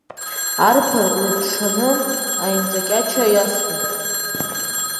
Арԥар рыҽшаны аимҵакьача иасуеит.